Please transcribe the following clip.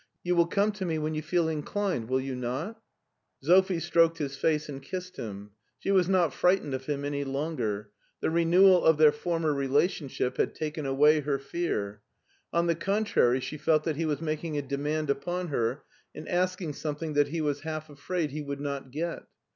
You will come to me when you fed in clined, will you not ?" Sophie stroked his face and kissed him. She was not frightened of him any longer — ^the renewal of their former relationship had taken away her fear; on the contrary, she felt that he was making a demand upon her and asking something that he was half afraid he would not get.